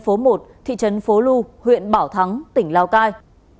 phố một thị trấn phố lu huyện bảo thắng tỉnh lào cai